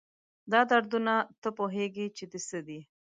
دا دردونه، تۀ پوهېږي چې د څه دي؟